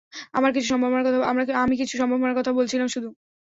আমি কিছু সম্ভাবনার কথা বলছিলাম শুধু!